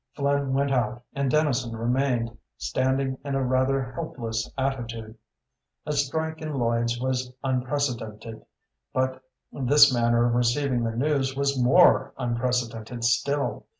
Flynn went out, and Dennison remained standing in a rather helpless attitude. A strike in Lloyd's was unprecedented, but this manner of receiving the news was more unprecedented still.